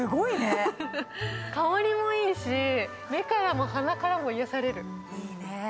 香りもいいし目からも鼻からも癒やされる。